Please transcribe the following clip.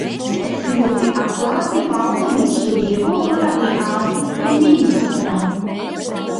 Es ļoti atklāti paudu mūsu viedokli arī ārlietu ministram.